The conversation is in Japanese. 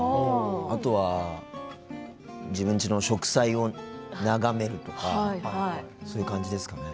あとは、自分ちの植栽を眺めるとかそういう感じですかね。